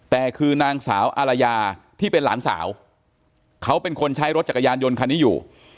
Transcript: แต่คือนางสาวอารยาที่เป็นหลานสาวเขาเป็นคนใช้รถจักรยานยนต์คันนี้อยู่